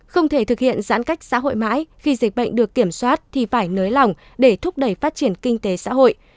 không thể thực hiện giãn cách xã hội mãi khi dịch bệnh được kiểm soát thì phải nới lỏng để thúc đẩy phát triển kinh tế xã hội